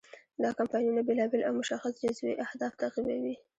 دا کمپاینونه بیلابیل او مشخص جزوي اهداف تعقیبوي.